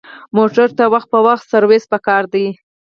موټر ته وخت په وخت سروس پکار دی.